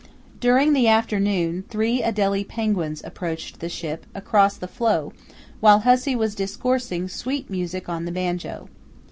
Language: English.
During the afternoon three adelie penguins approached the ship across the floe while Hussey was discoursing sweet music on the banjo.